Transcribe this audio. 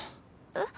えっ？